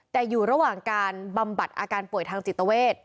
แต่อยู่ระหว่างการบำบัดอาการป่วยทางจิตเวท